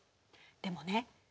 でもね。